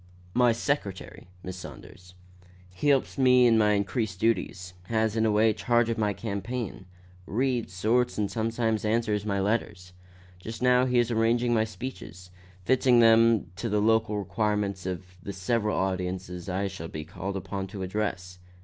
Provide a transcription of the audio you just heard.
My secretary, Miss Saunders. He helps me in my increased duties; has, in a way, charge of my campaign; reads, sorts and sometimes answers my letters. Just now he is arranging my speeches fitting them to the local requirements of the several audiences I shall be called upon to address.